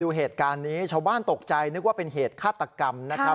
ดูเหตุการณ์นี้ชาวบ้านตกใจนึกว่าเป็นเหตุฆาตกรรมนะครับ